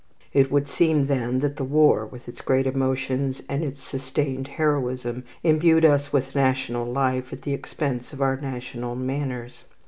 It would seem, then, that the war, with its great emotions and its sustained heroism, imbued us with national life at the expense of our national manners.